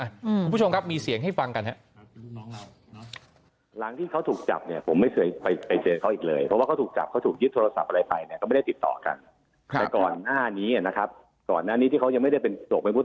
คุณผู้ชมครับมีเสียงให้ฟังกันครับ